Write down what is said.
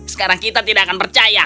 sekarang kita tidak akan percaya